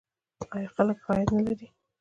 آیا خلک یې ښه عاید نلري؟